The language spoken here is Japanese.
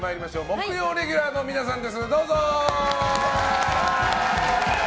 木曜レギュラーの皆さんです。